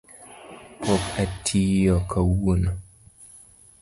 Pok atiyo kawuono.